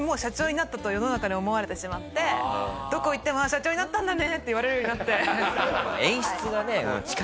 どこへ行っても社長になったんだねって言われるようになって。